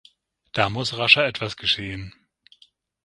Da muss rascher etwas geschehen.